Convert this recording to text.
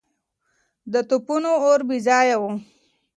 د توپونو اور بې ځایه و.